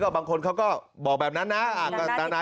บางคนเขาก็บอกแบบนั้นนะ